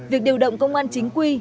việc điều động công an chính quy